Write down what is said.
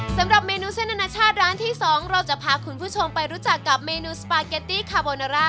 สำหรับเมนูเส้นอนาชาติร้านที่๒เราจะพาคุณผู้ชมไปรู้จักกับเมนูสปาเกตตี้คาโบนาร่า